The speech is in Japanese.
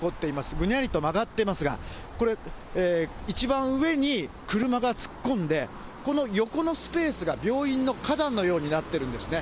ぐにゃりと曲がっていますが、これ、一番上に車が突っ込んで、この横のスペースが病院の花壇のようになってるんですね。